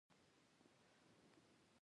د هغه یو وزیر په خپلو خاطراتو کې لیکلي دي.